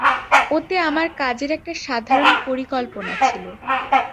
ওতে আমাদের কাজের একটা সাধারণ পরিকল্পনা ছিল।